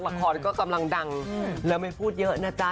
ละครก็กำลังดังแล้วไม่พูดเยอะนะจ๊ะ